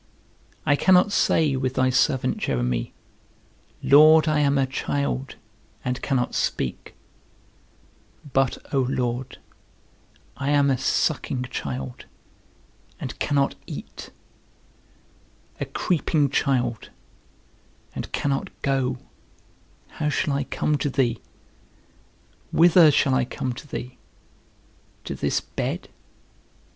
I cannot say, with thy servant Jeremy, Lord, I am a child, and cannot speak; but, O Lord, I am a sucking child, and cannot eat; a creeping child, and cannot go; how shall I come to thee? Whither shall I come to thee? To this bed?